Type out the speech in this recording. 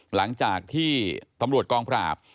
หลังจากที่ตำรวจกองปราบ